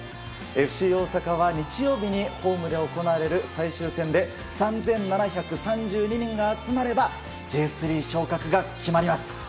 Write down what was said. ＦＣ大阪は日曜日にホームで行われる最終戦で３７３２人が集まればＪ３昇格が決まります。